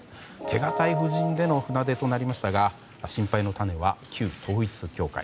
手堅い布陣での船出となりましたが心配の種は旧統一教会。